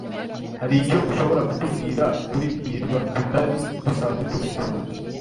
Hari icyo ushobora kutubwira kuri hirwa tutari dusanzwe tuzi?